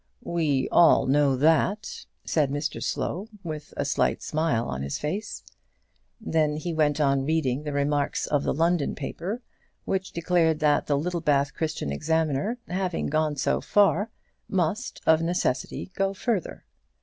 "We all know that," said Mr Slow, with a slight smile on his face. Then he went on reading the remarks of the London paper, which declared that the Littlebath Christian Examiner, having gone so far, must, of necessity, go further.